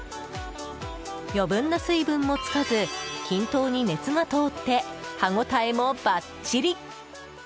余分な水分もつかず均等に熱が通って歯ごたえもばっちり！